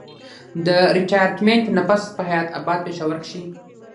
د ريټائرمنټ نه پس پۀ حيات اباد پېښور کښې